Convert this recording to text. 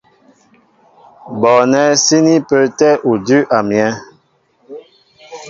Bɔɔnɛ́ síní pə́ə́tɛ́ udʉ́ a myɛ́.